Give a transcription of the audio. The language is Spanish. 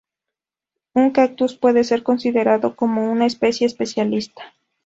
Un cactus puede ser considerado como una especie especialista.